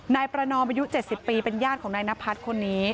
นายประนอมอายุ๗๐ปีเป็นญาติของนายนพัฒน์คนนี้